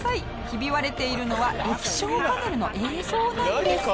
ひび割れているのは液晶画面の映像なんです。